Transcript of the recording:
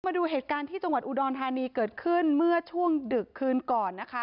มาดูเหตุการณ์ที่จังหวัดอุดรธานีเกิดขึ้นเมื่อช่วงดึกคืนก่อนนะคะ